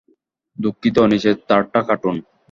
দুঃখিত, নিচের তারটা কাটুন!